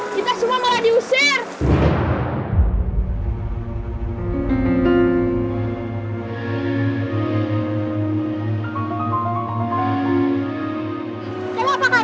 kita semua malah diusir